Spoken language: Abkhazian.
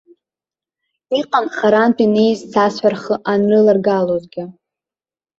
Иҟан харантә инеиз цасҳәа рхы анрыларгалозгьы.